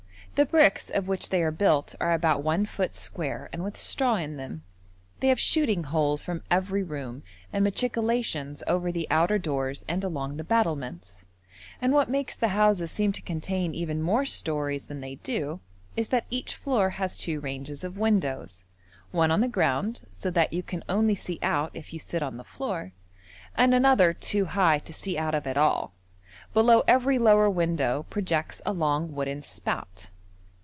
The bricks of which they are built are about one foot square and with straw in them. They have shooting holes from every room and machicolations over the outer doors and along the battlements, and what makes the houses seem to contain even more stories than they do, is that each floor has two ranges of windows, one on the ground so that you can only see out if you sit on the floor, and another too high to see out of at all; below every lower window projects a long wooden spout.